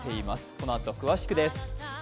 このあと詳しくです。